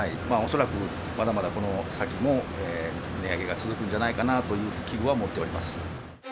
恐らくまだまだこの先も、値上げが続くんじゃないかなという危惧は持っております。